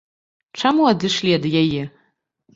Чаму адышлі ад яе?